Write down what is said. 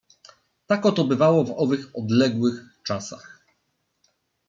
"Tak oto bywało w owych odległych czasach."